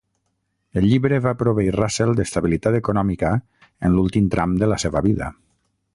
El llibre va proveir Russell d'estabilitat econòmica en l'últim tram de la seva vida.